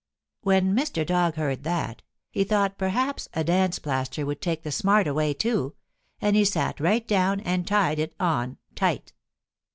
When Mr. Dog heard that, he thought perhaps a dance plaster would take the smart away, too, and he sat right down and tied it on, tight.